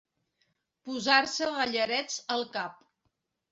Posar-se gallarets al cap.